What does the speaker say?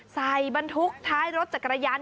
ใส่บรรทุกท้ายรถจากกระยัน